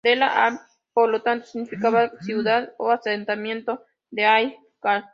Dera Allah Yar por lo tanto significa ciudad o asentamiento de Allah Yar.